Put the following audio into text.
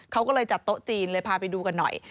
เขาก็เลยจัดโต๊ะจีนเลยพาไปดูกันหน่อย